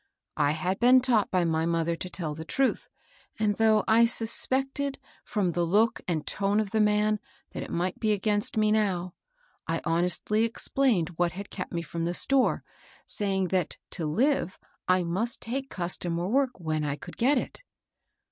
I had been taught by my mother to tell the truth ; and though I suspected fi om the look and tone of the man that it might be against me now, I honestly explained what had kept me from the store, saying that to live. I must take customer work when I could get it.